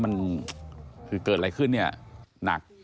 มันคือเกิดอะไรขึ้นเนี่ยหนัก